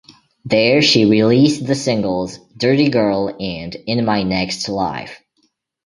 There, she released the singles "Dirty Girl" and "In My Next Life".